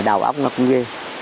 đầu óc nó cũng ghê